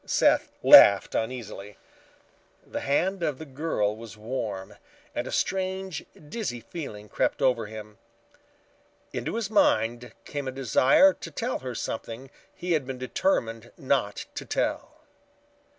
Seth laughed uneasily. The hand of the girl was warm and a strange, dizzy feeling crept over him. Into his mind came a desire to tell her something he had been determined not to tell.